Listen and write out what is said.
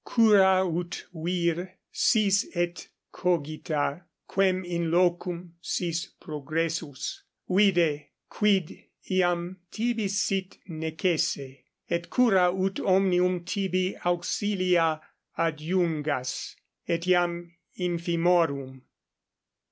Cura ut vir sis et cogita, quem in locum sis progressus; vide, quid iam tibi sit necesse, et cura ut omnium tibi auxilia adiungas, etiam infimorum.'